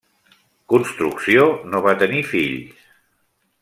Construcció no va tenir fills.